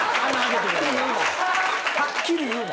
はっきり言うな。